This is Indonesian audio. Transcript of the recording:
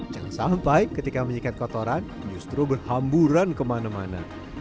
jangan sampai ketika menyikat kotoran justru berhamburan kemana mana